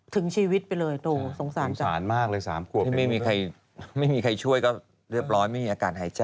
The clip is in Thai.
ถึงชีวิตไปเลยสงสารสงสารมากเลย๓ขวบที่ไม่มีใครไม่มีใครช่วยก็เรียบร้อยไม่มีอาการหายใจ